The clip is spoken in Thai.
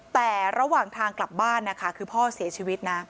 แต่ระหว่างทางกลับบ้านนะคะคือพ่อเสียชีวิตนะ